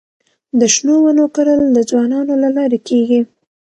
د شنو ونو کرل د ځوانانو له لارې کيږي.